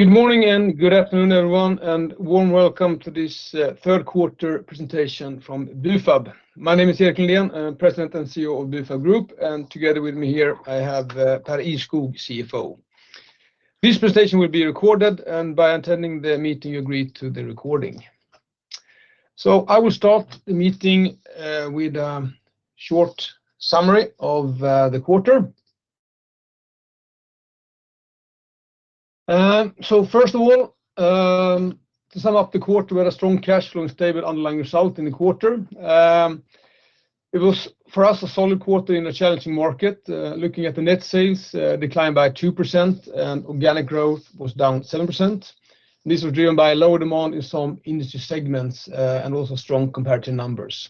Good morning and good afternoon, everyone, and warm welcome to this third quarter presentation from Bufab. My name is Erik Lundén, I'm President and CEO of Bufab Group, and together with me here, I have Pär Ihrskog, CFO. This presentation will be recorded, and by attending the meeting, you agree to the recording. I will start the meeting with a short summary of the quarter. So first of all, to sum up the quarter, we had a strong cash flow and stable underlying result in the quarter. It was, for us, a solid quarter in a challenging market. Looking at the net sales, declined by 2%, and organic growth was down 7%. This was driven by a lower demand in some industry segments and also strong comparative numbers.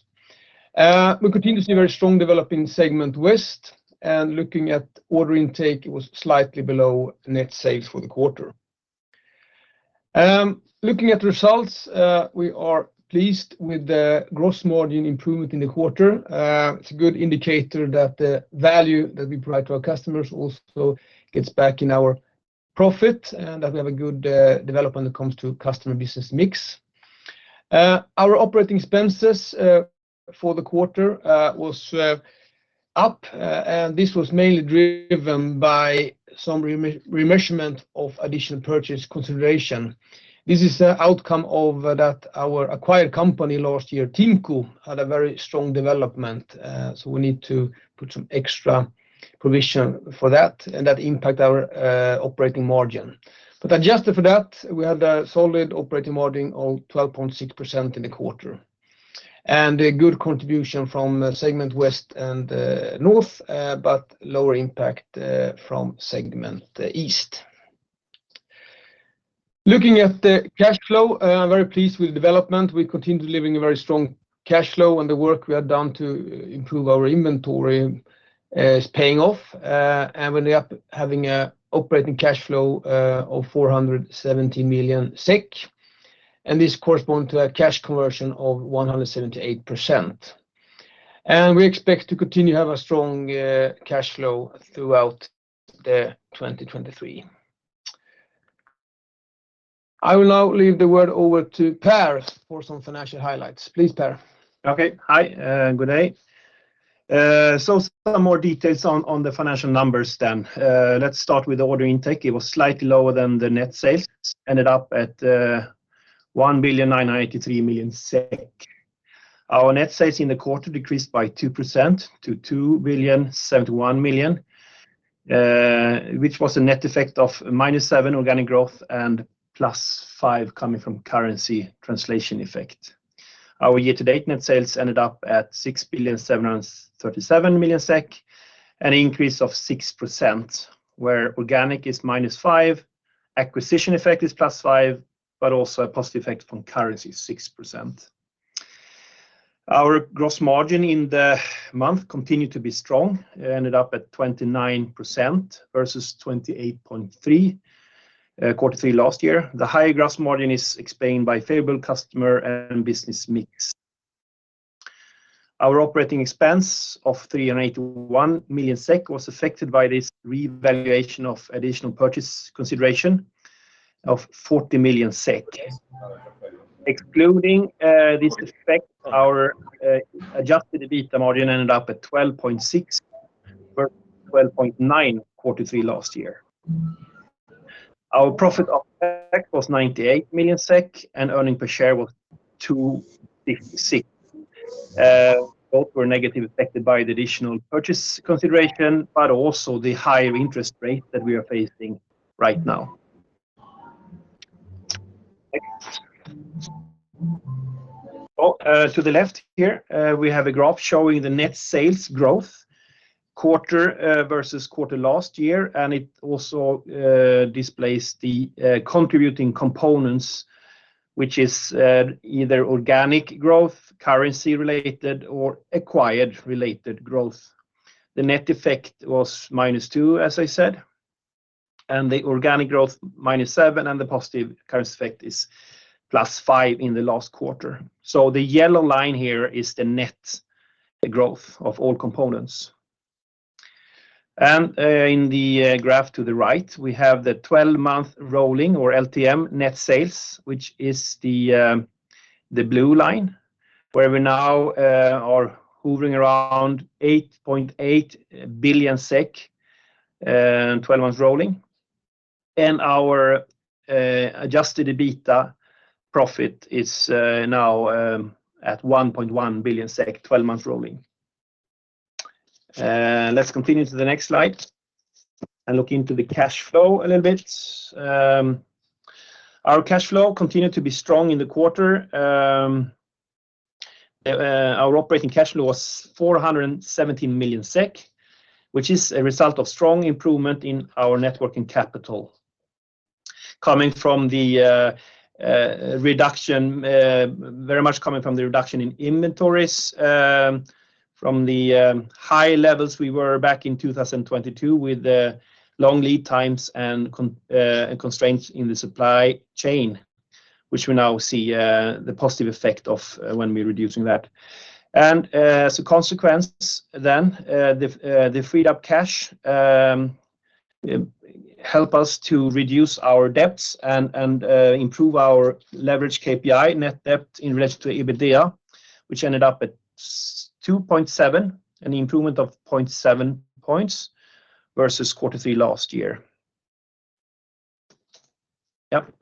We continuously very strong developing segment West, and looking at order intake, it was slightly below net sales for the quarter. Looking at results, we are pleased with the gross margin improvement in the quarter. It's a good indicator that the value that we provide to our customers also gets back in our profit and that we have a good development that comes to customer business mix. Our operating expenses for the quarter was up, and this was mainly driven by some remeasurement of additional purchase consideration. This is an outcome of that our acquired company last year, TIMCO, had a very strong development, so we need to put some extra provision for that, and that impact our operating margin. But adjusted for that, we had a solid operating margin of 12.6% in the quarter, and a good contribution from segment West and North, but lower impact from segment East. Looking at the cash flow, I'm very pleased with the development. We continue delivering a very strong cash flow, and the work we have done to improve our inventory is paying off, and we end up having a operating cash flow of 470 million SEK, and this correspond to a cash conversion of 178%. And we expect to continue to have a strong cash flow throughout the 2023. I will now leave the word over to Pär for some financial highlights. Please, Pär. Okay. Hi, good day. So some more details on, on the financial numbers then. Let's start with order intake. It was slightly lower than the net sales, ended up at SEK 1,983 million. Our net sales in the quarter decreased by 2% to 2,071 million, which was a net effect of -7 organic growth and +5 coming from currency translation effect. Our year-to-date net sales ended up at 6,737 million SEK, an increase of 6%, where organic is -5, acquisition effect is +5, but also a positive effect from currency, 6%. Our gross margin in the month continued to be strong, ended up at 29% versus 28.3%, quarter three last year. The higher gross margin is explained by favorable customer and business mix. Our operating expense of 381 million SEK was affected by this revaluation of additional purchase consideration of SEK 40 million. Excluding this effect, our adjusted EBITDA margin ended up at 12.6% versus 12.9%, quarter three last year. Our profit before tax was 98 million SEK, and earnings per share was 2.6 SEK. Both were negatively affected by the additional purchase consideration, but also the higher interest rate that we are facing right now. Well, to the left here, we have a graph showing the net sales growth quarter versus quarter last year, and it also displays the contributing components, which is either organic growth, currency-related, or acquired related growth. The net effect was -2, as I said, and the organic growth, -7, and the positive currency effect is +5 in the last quarter. So the yellow line here is the net, the growth of all components. And, in the graph to the right, we have the twelve-month rolling or LTM net sales, which is the blue line, where we now are hovering around 8.8 billion SEK, twelve months rolling, and our adjusted EBITDA profit is now at 1.1 billion SEK, twelve months rolling. Let's continue to the next slide and look into the cash flow a little bit. Our cash flow continued to be strong in the quarter. Our operating cash flow was 417 million SEK, which is a result of strong improvement in our net working capital. Coming from the reduction, very much coming from the reduction in inventories from the high levels we were back in 2022 with the long lead times and constraints in the supply chain. Which we now see the positive effect of when we're reducing that. As a consequence then, the freed up cash help us to reduce our debts and improve our leverage KPI net debt in relation to EBITDA, which ended up at 2.7, an improvement of 0.7 points versus quarter three last year. Yep.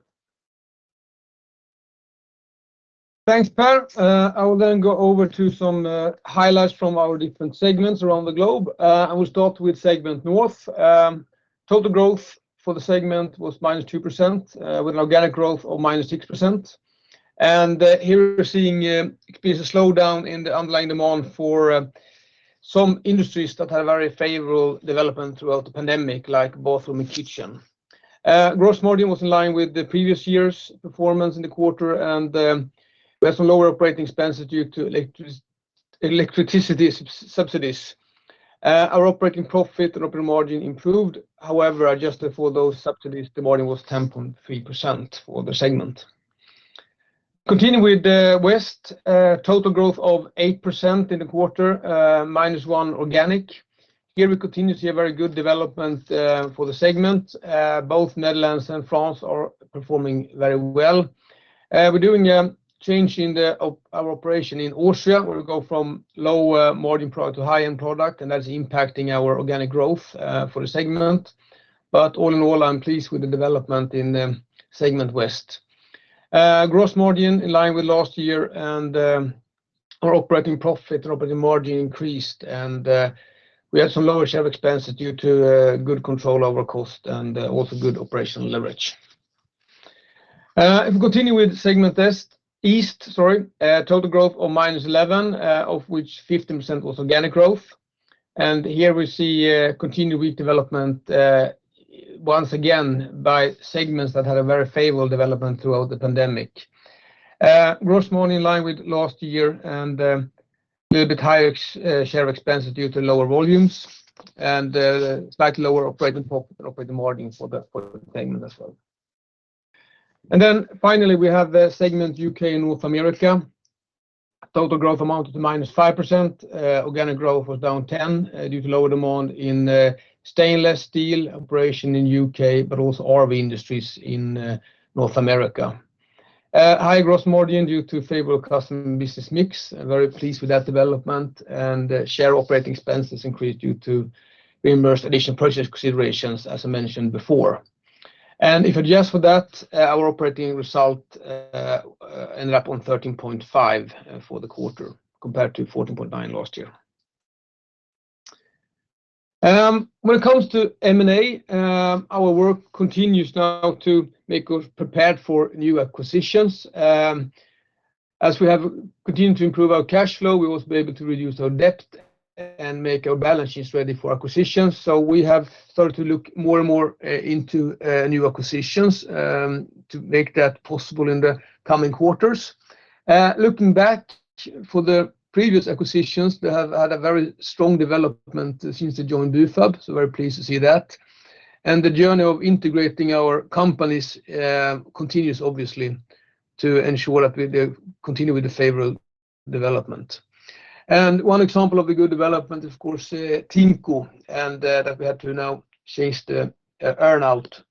Thanks, Pär. I will then go over to some highlights from our different segments around the globe. I will start with segment North. Total growth for the segment was -2%, with an organic growth of -6%. Here we're seeing a slowdown in the underlying demand for some industries that had a very favorable development throughout the pandemic, like bathroom and kitchen. Gross margin was in line with the previous year's performance in the quarter, and we had some lower operating expenses due to electricity subsidies. Our operating profit and operating margin improved. However, adjusted for those subsidies, the margin was 10.3% for the segment. Continue with the West. Total growth of 8% in the quarter, -1% organic. Here we continue to see a very good development for the segment. Both Netherlands and France are performing very well. We're doing a change in our operation in Austria, where we go from lower margin product to high-end product, and that's impacting our organic growth for the segment. But all in all, I'm pleased with the development in the segment West. Gross margin in line with last year and our operating profit and operating margin increased, and we had some lower shared expenses due to good control over cost and also good operational leverage. If we continue with segment East, total growth of -11, of which 15% was organic growth. And here we see a continued weak development once again by segments that had a very favorable development throughout the pandemic. Gross margin in line with last year and a little bit higher ex SG&A expenses due to lower volumes and slightly lower operating margin for the segment as well. Finally, we have the segment UK and North America. Total growth amount to -5%. Organic growth was down 10% due to lower demand in stainless steel operation in UK, but also RV industries in North America. High gross margin due to favorable customer business mix. Very pleased with that development, and SG&A operating expenses increased due to remeasured additional purchase considerations, as I mentioned before. And if adjusted for that, our operating result ended up on 13.5 for the quarter, compared to 14.9 last year. When it comes to M&A, our work continues now to make us prepared for new acquisitions. As we have continued to improve our cash flow, we will be able to reduce our debt and make our balance sheets ready for acquisitions. So we have started to look more and more into new acquisitions to make that possible in the coming quarters. Looking back for the previous acquisitions, they have had a very strong development since they joined Bufab, so very pleased to see that. And the journey of integrating our companies continues obviously to ensure that we continue with the favorable development. One example of the good development, of course, TIMCO, and that we had to now change the earn-out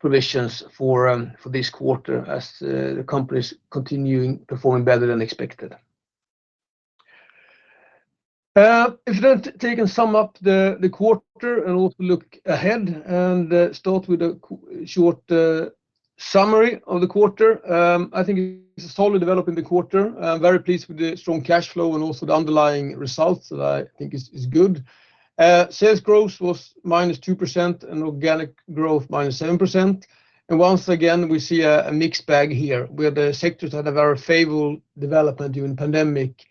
provisions for this quarter as the company's continuing performing better than expected. If then take and sum up the quarter and also look ahead and start with a short summary of the quarter. I think it's a solid development in the quarter. I'm very pleased with the strong cash flow and also the underlying results that I think is good. Sales growth was -2% and organic growth -7%. Once again, we see a mixed bag here, where the sectors that have a very favorable development during pandemic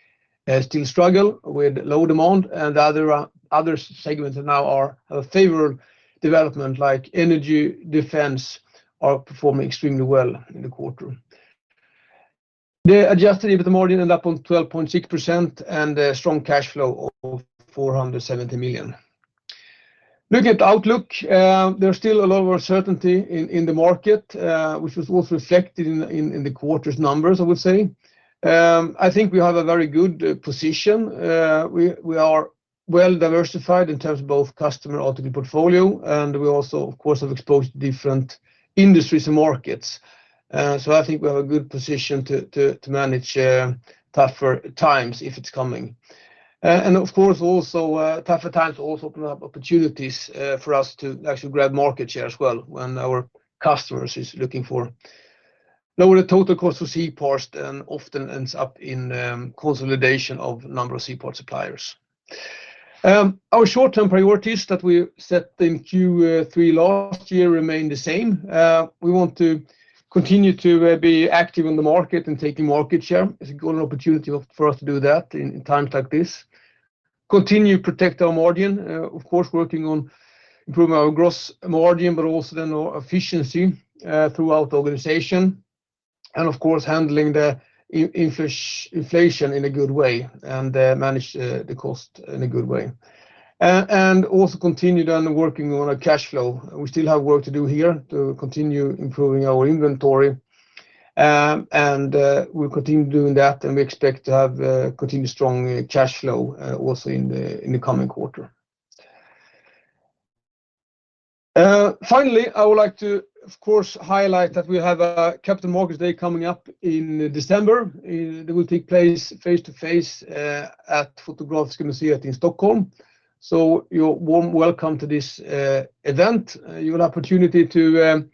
still struggle with low demand, and other segments now are a favorable development, like energy, defense, are performing extremely well in the quarter. The adjusted EBITDA margin ended up on 12.6% and a strong cash flow of 470 million. Looking at the outlook, there's still a lot of uncertainty in the market, which was also reflected in the quarter's numbers, I would say. I think we have a very good position. We are well diversified in terms of both customer portfolio, and we also, of course, have exposed different industries and markets. So I think we have a good position to manage tougher times if it's coming. And of course, also, tougher times also open up opportunities for us to actually grab market share as well when our customers is looking for lower the total cost to C-parts and often ends up in consolidation of number of C-part suppliers. Our short-term priorities that we set in Q3 last year remain the same. We want to continue to be active in the market and taking market share. It's a good opportunity for us to do that in times like this. Continue to protect our margin. Of course, working on improving our gross margin, but also then our efficiency throughout the organization. And of course, handling the inflation in a good way and manage the cost in a good way. And also continued on working on our cash flow. We still have work to do here to continue improving our inventory, and we'll continue doing that, and we expect to have continued strong cash flow also in the coming quarter. Finally, I would like to, of course, highlight that we have a Capital Markets Day coming up in December. It will take place face-to-face at Fotografiska in Stockholm, so you're warm welcome to this event. You will have opportunity to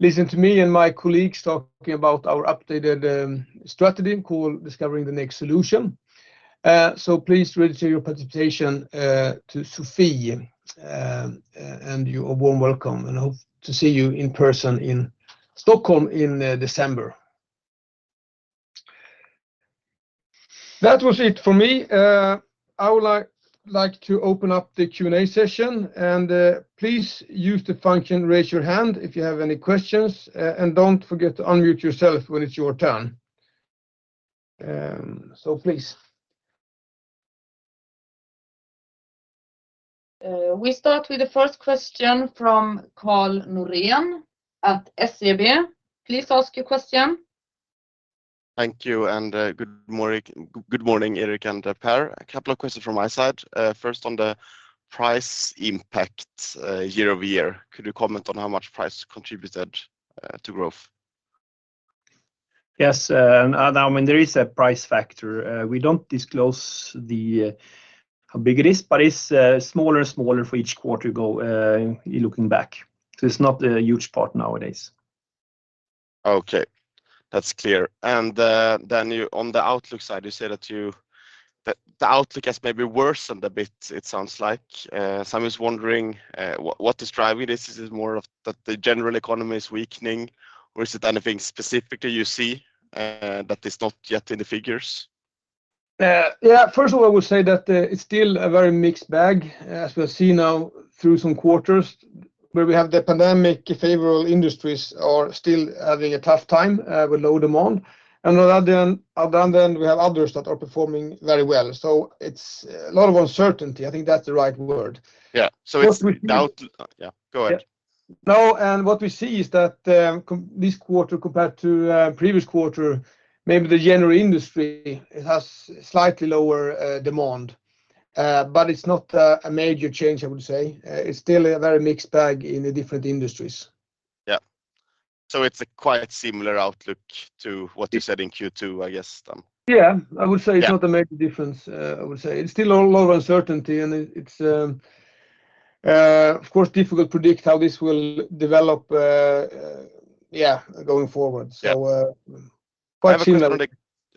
listen to me and my colleagues talking about our updated strategy called Discovering the Next Solution. So please register your participation to Sophie, and you are warm welcome, and I hope to see you in person in Stockholm in December. That was it for me. I would like to open up the Q&A session, and please use the function, Raise Your Hand, if you have any questions, and don't forget to unmute yourself when it's your turn. So please. We start with the first question from Karl Norén at SEB. Please ask your question. Thank you, and good morning, good morning, Erik and Pär. A couple of questions from my side. First, on the price impact, year-over-year, could you comment on how much price contributed to growth? Yes, and I mean, there is a price factor. We don't disclose the how big it is, but it's smaller and smaller for each quarter you go, you're looking back. So it's not a huge part nowadays. Okay, that's clear. And then you, on the outlook side, you say that the outlook has maybe worsened a bit, it sounds like. So I'm just wondering, what is driving this? Is it more of that the general economy is weakening, or is it anything specifically you see that is not yet in the figures? Yeah, first of all, I would say that it's still a very mixed bag, as we have seen now through some quarters, where we have the pandemic-favorable industries are still having a tough time with low demand. And on the other hand, we have others that are performing very well. So it's a lot of uncertainty. I think that's the right word. Yeah, so it's- First we- Yeah, go ahead. Yeah. Now, and what we see is that, this quarter compared to previous quarter, maybe the general industry, it has slightly lower demand, but it's not a major change, I would say. It's still a very mixed bag in the different industries. Yeah. So it's a quite similar outlook to what you said in Q2, I guess, then. Yeah, I would say- Yeah... it's not a major difference. I would say it's still a lot of uncertainty, and it's, of course, difficult to predict how this will develop, yeah, going forward. Yeah. So, quite similar. I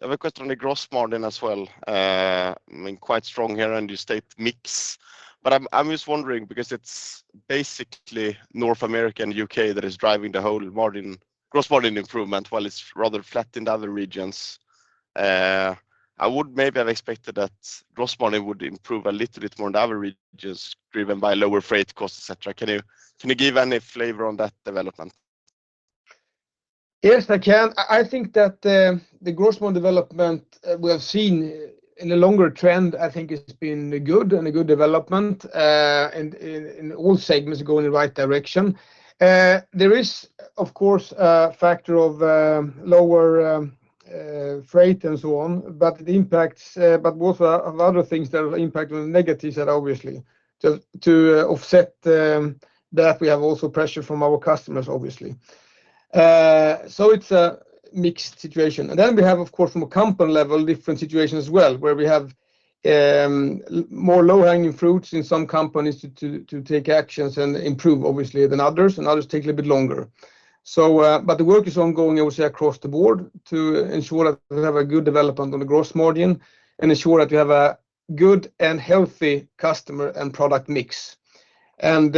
have a question on the gross margin as well. I mean, quite strong here, and you state mix, but I'm just wondering, because it's basically North America and UK that is driving the whole margin, gross margin improvement, while it's rather flat in the other regions. I would maybe have expected that gross margin would improve a little bit more in the other regions, driven by lower freight costs, et cetera. Can you give any flavor on that development? Yes, I can. I think that the gross margin development we have seen in the longer trend, I think it's been good and a good development, and in all segments going in the right direction. There is, of course, a factor of lower freight and so on, but the impacts, but both a lot of things that have impacted the negatives are obviously. To offset that, we have also pressure from our customers, obviously. So it's a mixed situation. And then we have, of course, from a company level, different situation as well, where we have more low-hanging fruits in some companies to take actions and improve, obviously, than others, and others take a little bit longer. So, but the work is ongoing, obviously, across the board to ensure that we have a good development on the gross margin and ensure that we have a good and healthy customer and product mix. And,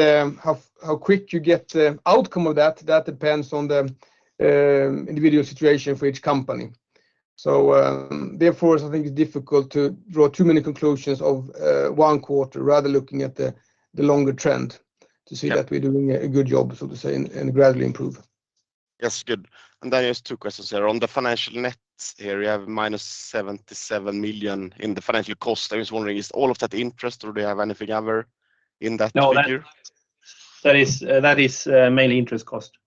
how quick you get the outcome of that, that depends on the individual situation for each company. So, therefore, I think it's difficult to draw too many conclusions of one quarter, rather looking at the longer trend. Yeah... to see that we're doing a good job, so to say, and, and gradually improve. Yes, good. And then just two questions here. On the financial net here, you have -77 million in the financial cost. I was wondering, is all of that interest, or do you have anything ever in that figure? No, that, that is, that is, mainly interest cost.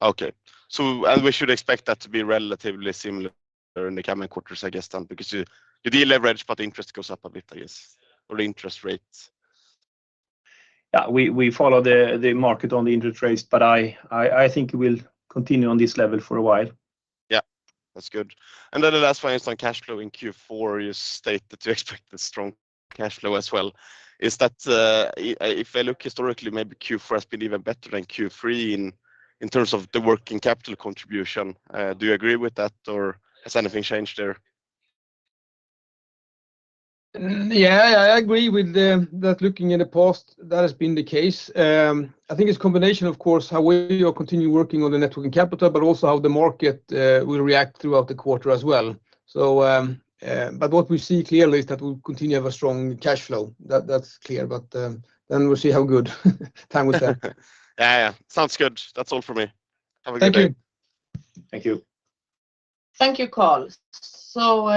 Okay. We should expect that to be relatively similar in the coming quarters, I guess, then, because you deleverage, but interest goes up a bit, I guess, or interest rates. Yeah, we follow the market on the interest rates, but I think it will continue on this level for a while. Yeah. That's good. And then the last one is on cash flow in Q4. You state that you expect a strong cash flow as well. Is that, if I look historically, maybe Q4 has been even better than Q3 in terms of the working capital contribution. Do you agree with that, or has anything changed there? Yeah, I agree with that looking in the past, that has been the case. I think it's a combination, of course, how we will continue working on the Net Working Capital, but also how the market will react throughout the quarter as well. But what we see clearly is that we'll continue to have a strong cash flow. That's clear, but then we'll see how good time is there. Yeah, yeah. Sounds good. That's all for me. Have a good day. Thank you. Thank you.... Thank you, Carl. So,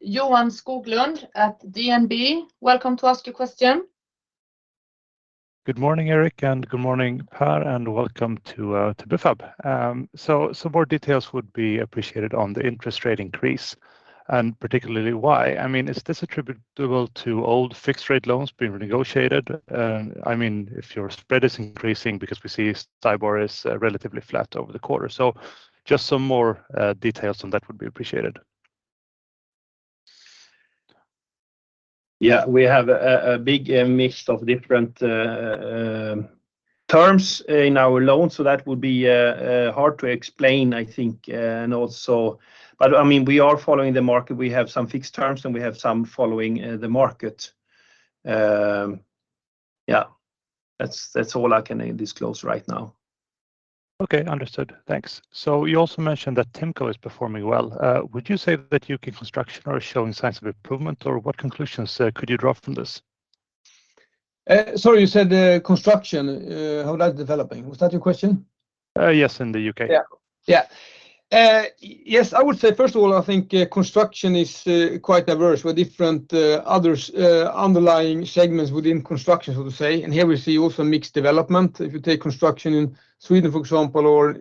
Johan Skoglund at DNB, welcome to ask your question. Good morning, Erik, and good morning, Pär, and welcome to Bufab. So some more details would be appreciated on the interest rate increase, and particularly why. I mean, is this attributable to old fixed rate loans being renegotiated? I mean, if your spread is increasing because we see STIBOR is relatively flat over the quarter. So just some more details on that would be appreciated. Yeah, we have a big mix of different terms in our loans, so that would be hard to explain, I think. But, I mean, we are following the market. We have some fixed terms, and we have some following the market. Yeah, that's all I can disclose right now. Okay, understood. Thanks. So you also mentioned that TIMCO is performing well. Would you say that UK construction are showing signs of improvement, or what conclusions could you draw from this? Sorry, you said, construction, how that's developing? Was that your question? Yes, in the UK. Yeah, yeah. Yes, I would say, first of all, I think, construction is quite diverse, with different, others, underlying segments within construction, so to say. And here we see also mixed development. If you take construction in Sweden, for example, or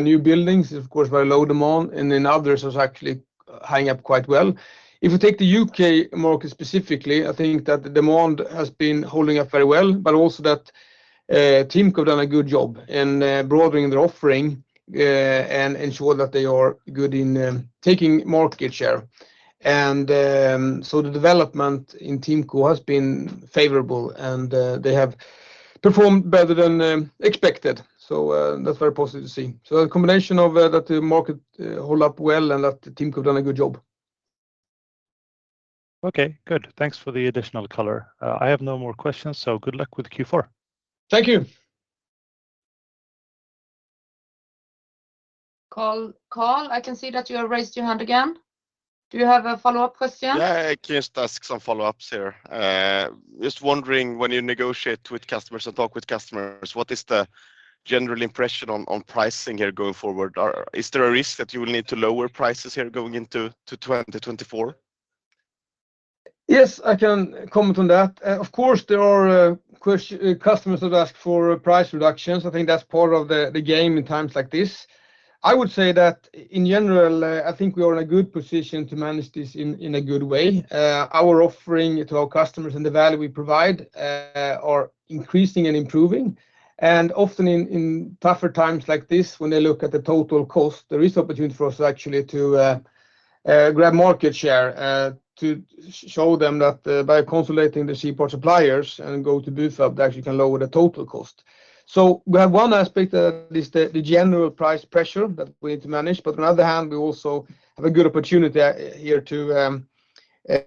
new buildings, of course, very low demand, and then others is actually holding up quite well. If you take the U.K. market specifically, I think that the demand has been holding up very well, but also that, TIMCO done a good job in broadening their offering, and ensure that they are good in taking market share. And so the development in TIMCO has been favorable, and they have performed better than expected. So, that's very positive to see. So a combination of that the market hold up well and that TIMCO done a good job. Okay, good. Thanks for the additional color. I have no more questions, so good luck with Q4. Thank you. Carl, Carl, I can see that you have raised your hand again. Do you have a follow-up question? Yeah, I can just ask some follow-ups here. Just wondering, when you negotiate with customers and talk with customers, what is the general impression on, on pricing here going forward? Or is there a risk that you will need to lower prices here going into 2024? Yes, I can comment on that. Of course, there are customers that ask for price reductions. I think that's part of the game in times like this. I would say that in general, I think we are in a good position to manage this in a good way. Our offering to our customers and the value we provide are increasing and improving. And often in tougher times like this, when they look at the total cost, there is opportunity for us actually to grab market share, to show them that by consolidating the separate suppliers and go to Bufab, they actually can lower the total cost. So we have one aspect, that is the general price pressure that we need to manage. But on the other hand, we also have a good opportunity here to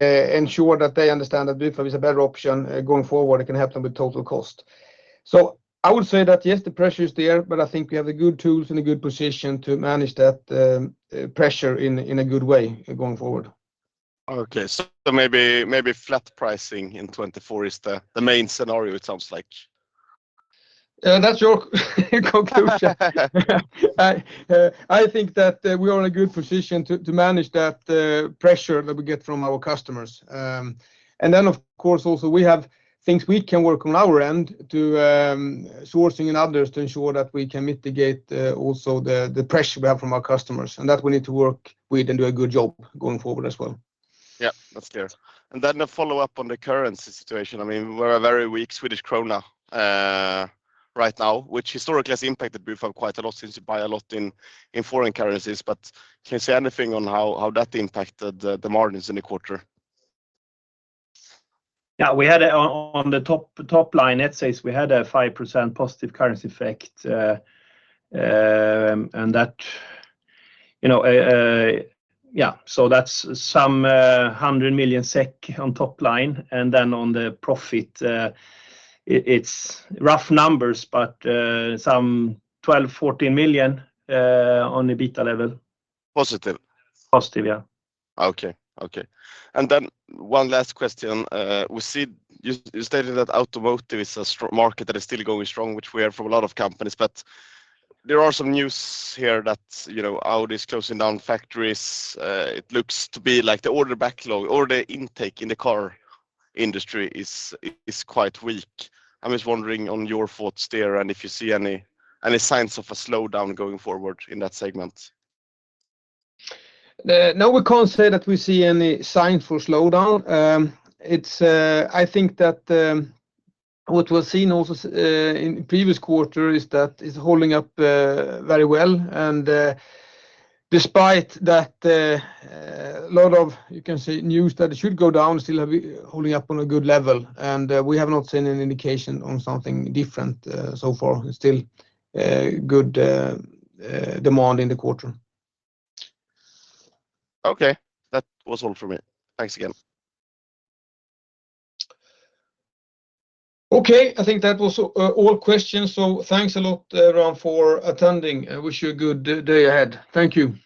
ensure that they understand that Bufab is a better option going forward, it can help them with total cost. So I would say that, yes, the pressure is there, but I think we have the good tools and a good position to manage that pressure in a good way going forward. Okay, so maybe, maybe flat pricing in 2024 is the, the main scenario, it sounds like. That's your conclusion. I think that we are in a good position to manage that pressure that we get from our customers. And then, of course, also we have things we can work on our end to sourcing and others to ensure that we can mitigate also the pressure we have from our customers, and that we need to work with and do a good job going forward as well. Yeah, that's clear. And then a follow-up on the currency situation. I mean, we're a very weak Swedish krona right now, which historically has impacted Bufab quite a lot since you buy a lot in foreign currencies. But can you say anything on how that impacted the margins in the quarter? Yeah, we had it on the top line, let's say we had a 5% positive currency effect, and that, you know. Yeah, so that's some 100 million SEK on top line, and then on the profit, it's rough numbers, but some 12-14 million on the EBITDA level. Positive? Positive, yeah. Okay. Okay, and then one last question. We see you stated that automotive is a strong market that is still going strong, which we are from a lot of companies, but there are some news here that, you know, Audi is closing down factories. It looks to be like the order backlog or the intake in the car industry is quite weak. I'm just wondering on your thoughts there, and if you see any signs of a slowdown going forward in that segment. No, we can't say that we see any signs for slowdown. It's, I think that, what we're seeing also, in previous quarter is that it's holding up, very well. And, despite that, a lot of, you can say, news that it should go down, still holding up on a good level, and, we have not seen any indication on something different, so far. Still, good, demand in the quarter. Okay. That was all for me. Thanks again. Okay, I think that was all questions. So thanks a lot, everyone, for attending, and wish you a good day ahead. Thank you.